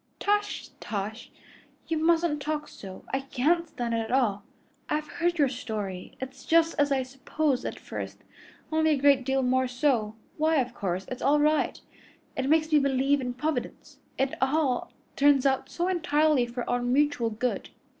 "Tush, tush! You mustn't talk so. I can't stand it at all. I've heard your story. It's just as I supposed at first, only a great deal more so. Why, of course it's all right. It makes me believe in Providence, it all turns out so entirely for our mutual good.